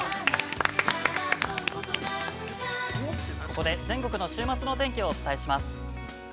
◆ここで全国の週末のお天気をお伝えします。